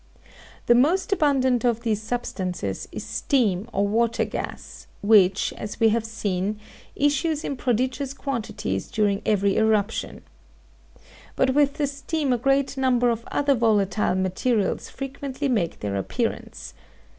The most abundant of these substances is steam or water gas, which, as we have seen, issues in prodigious quantities during every eruption. But with the steam a great number of other volatile materials frequently make their appearance.